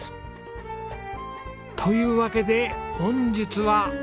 というわけで本日は。